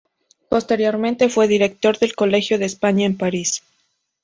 Posteriormente fue director del Colegio de España en París.